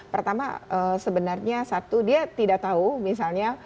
pertama sebenarnya satu dia tidak tahu misalnya